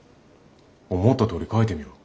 思ったとおり書いてみろ。